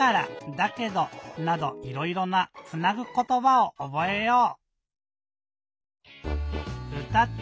「だけど」などいろいろな「つなぐことば」をおぼえよう！